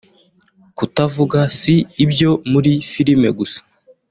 Kutavuga si ibyo muri filime gusa